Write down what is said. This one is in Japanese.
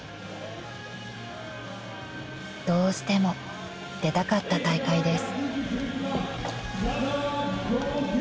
［どうしても出たかった大会です］